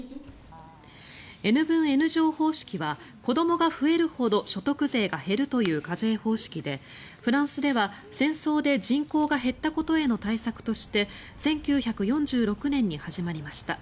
Ｎ分Ｎ乗方式は子どもが増えるほど所得税が減るという課税方式でフランスでは戦争で人口が減ったことへの対策として１９４６年に始まりました。